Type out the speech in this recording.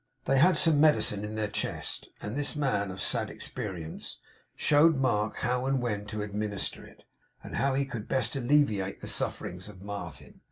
They had some medicine in their chest; and this man of sad experience showed Mark how and when to administer it, and how he could best alleviate the sufferings of Martin.